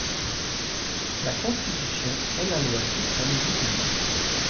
La Constitution est la loi suprême du pays.